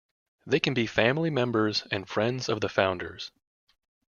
They can be family members and friends of the founders.